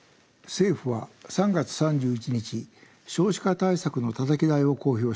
政府は３月３１日少子化対策のたたき台を公表しました。